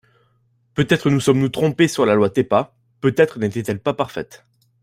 Peut-être nous sommes-nous trompés sur la loi TEPA, peut-être n’était-elle pas parfaite.